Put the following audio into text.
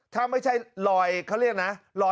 ถ้าไม่ใช่ลอยเขาเรียกนะ